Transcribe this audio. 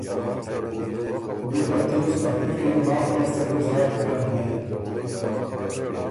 بيې خه تیوس ا پِری ماخ لاسته ګه ݫات ګرم هئ